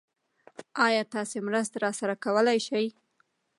ايا تاسې مرسته راسره کولی شئ؟